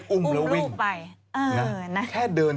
อุ่มแล้ววิ่ง